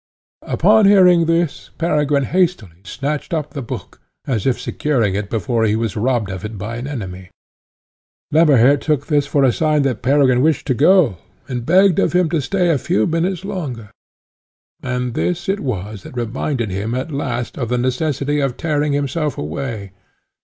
Upon hearing this, Peregrine hastily snatched up the book, as if securing it before he was robbed of it by an enemy. Lemmerhirt took this for a sign that Peregrine wished to go, and begged of him to stay a few minutes longer, and this it was that reminded him at last of the necessity of tearing himself away.